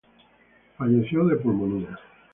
Falleció de pulmonía.